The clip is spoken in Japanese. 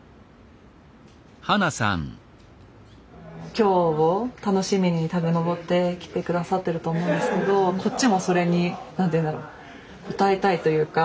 今日を楽しみに多分登ってきて下さってると思うんですけどこっちもそれに何ていうんだろう応えたいというか。